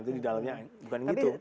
itu di dalamnya bukan gitu